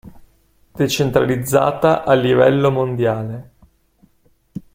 Decentralizzata a livello mondiale.